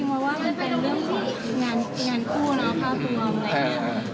เพราะว่ามันเป็นเรื่องของงานคู่เนาะภาพรวมอะไรอย่างนี้